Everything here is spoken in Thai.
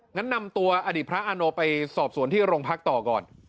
งั้นนำตัวอดีตพระอาโนไปสอบสวนที่โรงพักต่อก่อน